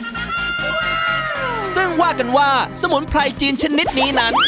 จิ้งจูชายลงไปด้วยซึ่งว่ากันว่าสมุนไพรจีนชนิดนี้นั้น